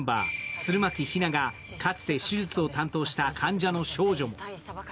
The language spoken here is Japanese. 弦巻比奈がかつて手術を担当した患者の少女も。